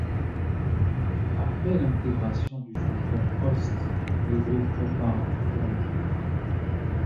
Après l'intégration du chanteur Hoest, le groupe repart en tournée.